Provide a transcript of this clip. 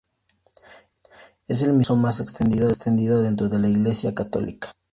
Es el misal de uso más extendido dentro de la Iglesia católica.